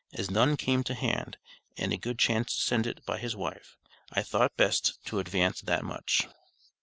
As none came to hand, and a good chance to send it by his wife, I thought best to advance that much.